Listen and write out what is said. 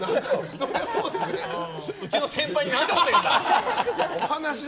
うちの先輩になんてこと言うんだ！